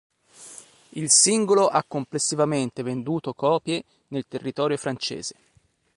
Il singolo ha complessivamente venduto copie nel territorio francese.